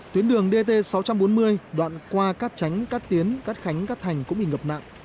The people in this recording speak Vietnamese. tuyến đường dt sáu trăm bốn mươi đoạn qua cát tránh cát tiến cát khánh cát thành cũng bị ngập nặng